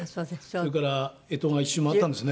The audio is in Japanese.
それから干支が１周回ったんですね。